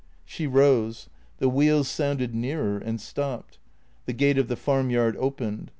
She rose. The wheels sounded nearer, and stopped. The gate of the farmyard opened.